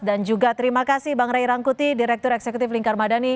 dan juga terima kasih bang ray rangkuti direktur eksekutif lingkar madani